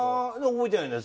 覚えてないです。